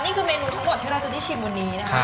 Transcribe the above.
นี่คือเมนูทุกบ่ดที่เราจะที่ชิมวันนี้